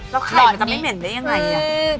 แล้วไข่มันจะไม่เหม็นได้ยังไง